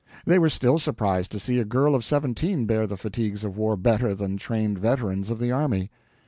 They were still surprised to see a girl of seventeen bear the fatigues of war better than trained veterans of the army.